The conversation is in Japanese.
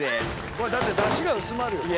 これだってだしが薄まるよ。